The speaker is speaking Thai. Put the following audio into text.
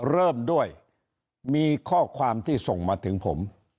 เริ่มด้วยมีข้อความที่ส่งมาถึงผม